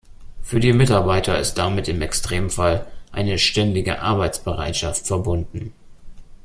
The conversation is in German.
Für die Mitarbeiter ist damit im Extremfall eine ständige Arbeitsbereitschaft verbunden.